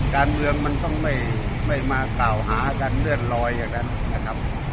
การเมืองมันต้องไม่มากล่าวหากันเลื่อนลอยอย่างนั้นนะครับ